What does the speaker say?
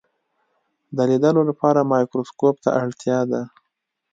د لیدلو لپاره مایکروسکوپ ته اړتیا ده.